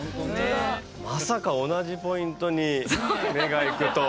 まさか同じポイントに目がいくとは。